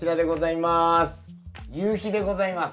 夕日でございます。